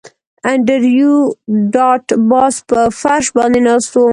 انډریو ډاټ باس په فرش باندې ناست و